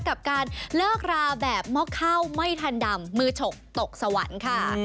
กับการเลิกราแบบหม้อข้าวไม่ทันดำมือฉกตกสวรรค์ค่ะ